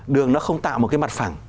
đường nó không tạo một cái mặt phẳng